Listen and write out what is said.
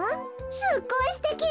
すっごいすてき！